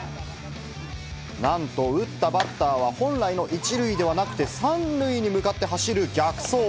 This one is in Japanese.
なんと打ったバッターは、本来の１塁ではなくて３塁に向かって走る逆走。